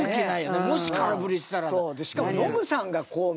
もし空振りしたら。